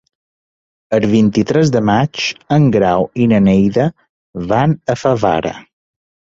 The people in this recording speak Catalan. El vint-i-tres de maig en Grau i na Neida van a Favara.